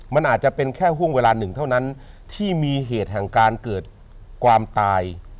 มันอาจจะเป็นแค่ห่วงเวลาหนึ่งเท่านั้นที่มีเหตุแห่งการเกิดความตาย